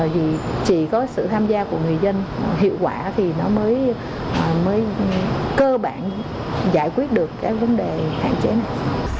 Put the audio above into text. vì chỉ có sự tham gia của người dân hiệu quả thì nó mới cơ bản giải quyết được cái vấn đề hạn chế này